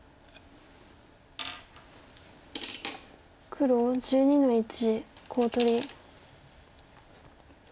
黒１２の一コウ取り。